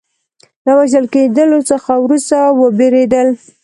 له وژل کېدلو څخه وروسته وبېرېدل.